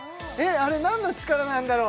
あれ何の力なんだろう